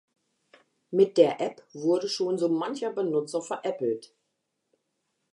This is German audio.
Mit der App wurde schon so mancher Benutzer veräppelt.